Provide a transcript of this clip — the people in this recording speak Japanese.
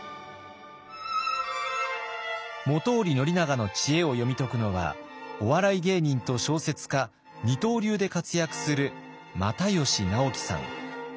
本居宣長の知恵を読み解くのはお笑い芸人と小説家二刀流で活躍する又吉直樹さん。